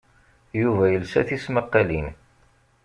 Yuba yelsa tismaqqalin.